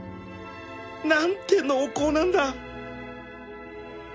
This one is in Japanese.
何て濃厚なんだ